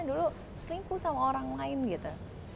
dulu selingkuh sama orang lain gitu